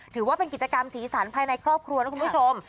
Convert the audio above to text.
ถือว่าเป็นกิจกรรมสีสันภายในครอบครัวนะคุณผู้ชม